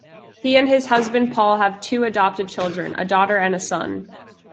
He and his husband Paul have two adopted children, a daughter and a son.